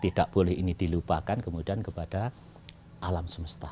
tidak boleh ini dilupakan kemudian kepada alam semesta